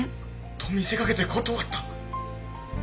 と見せかけて断った！